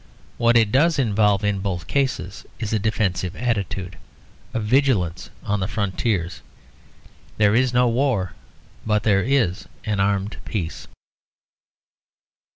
What it does involve in both cases is a defensive attitude; a vigilance on the frontiers. There is no war; but there is an armed peace.